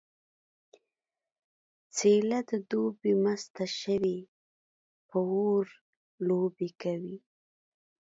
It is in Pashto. څیله د دوبي مسته شوې په اور لوبې کوي